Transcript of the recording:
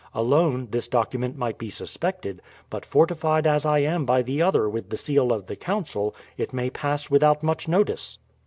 Alone, this document might be suspected; but, fortified as I am by the other with the seal of the council, it may pass without much notice."